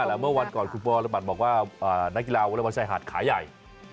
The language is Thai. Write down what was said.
มีหน้าเหรอเมื่อวันก่อนคุณพอบัตรบอกว่านักกีฬาวอุโรปชายหาดขาใหญ่